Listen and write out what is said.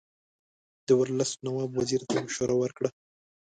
ورلسټ نواب وزیر ته مشوره ورکړه.